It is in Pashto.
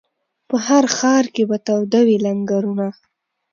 په هر ښار کي به تاوده وي لنګرونه